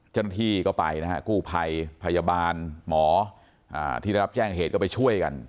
เจ้าหน้าที่ก็ไปนะฮะกู้ภัยพยาบาลหมอที่ได้รับแจ้งเหตุก็ไปช่วยกัน